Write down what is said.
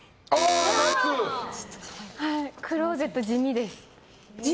クローゼット地味です。